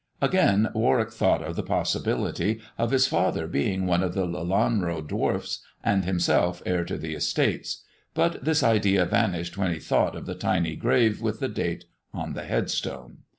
Again Warwick thought of the possibility of his father being one of the Lelanro dwarfs, and himself heir to the estates; but this idea vanished when he thought of the tiny grave with the date on the headstone.